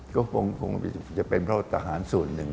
ก็คงจะเป็นเพราะทหารส่วนหนึ่ง